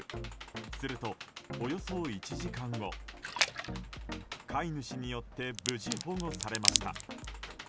すると、およそ１時間後飼い主によって無事、保護されました。